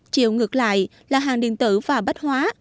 chiều ngược lại là hàng điện tử và bách hóa